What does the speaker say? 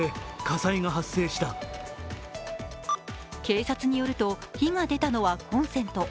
警察によると、火が出たのはコンセント。